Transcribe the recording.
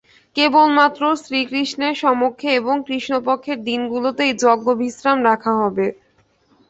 কেবলমাত্র শ্রীকৃষ্ণের সমক্ষে এবং কৃষ্ণপক্ষের দিনগুলোতে এই যজ্ঞ বিশ্রাম রাখা হবে।